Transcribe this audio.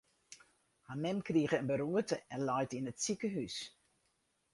Har mem krige in beroerte en leit yn it sikehús.